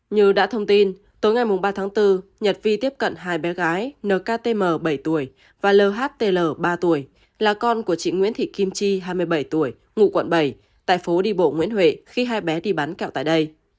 như đã thông tin tối ngày ba tháng bốn nhật vi tiếp cận hai bé gái nktm bảy tuổi và lhtl ba tuổi là con của chị nguyễn thị kim chi hai mươi bảy tuổi ngụ quận bảy tại phố đi bộ nguyễn huệ khi hai bé đi bán kẹo tại đây